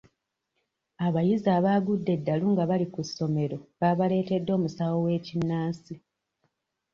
Abayizi abaagudde eddalu nga bali ku somero baabaletedde omusawo w'ekinnansi.